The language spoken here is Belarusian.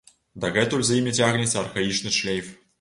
Дагэтуль за імі цягнецца архаічны шлейф.